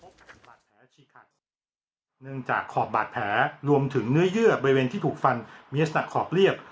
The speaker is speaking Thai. เนื่องจากขอบบาดแผลรวมถึงเนื้อเยื่อบริเวณที่ถูกฟันมีลักษณะขอบเรียบ